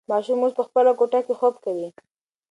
ماشوم اوس په خپله کوټه کې خوب کوي.